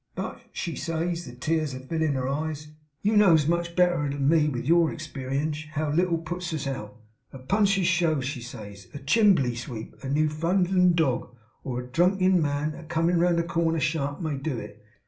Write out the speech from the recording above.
But," she says, the tears a fillin in her eyes, "you knows much betterer than me, with your experienge, how little puts us out. A Punch's show," she says, "a chimbley sweep, a newfundlan dog, or a drunkin man a comin round the corner sharp may do it."